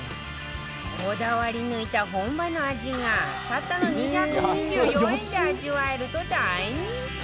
こだわり抜いた本場の味がたったの２２４円で味わえると大人気